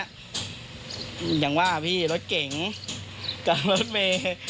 อย่างว่าพี่รถเก๋งกับรถเมย์